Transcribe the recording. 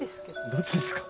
どっちですか？